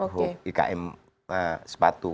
ke ikm sepatu